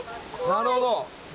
なるほど。